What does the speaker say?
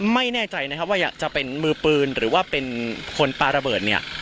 ไม่แน่ใจนะครับว่าจะเป็นมือปืนหรือว่าเป็นคนปลาระเบิดเนี่ย